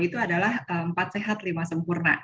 itu adalah empat sehat lima sempurna